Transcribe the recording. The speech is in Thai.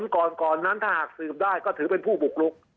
ก่อนนั้นถ้าหากสืบได้ก็ถือเป็นผู้บุกลุก